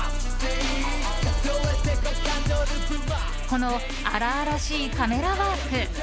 この荒々しいカメラワーク。